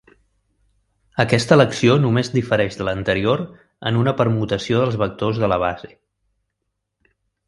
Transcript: Aquesta elecció només difereix de l'anterior en una permutació dels vectors de la base.